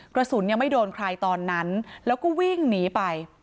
กระสุนยังไม่โดนใครตอนนั้นแล้วก็วิ่งหนีไป